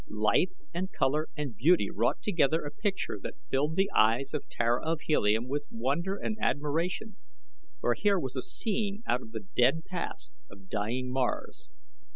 Life and color and beauty wrought together a picture that filled the eyes of Tara of Helium with wonder and with admiration, for here was a scene out of the dead past of dying Mars.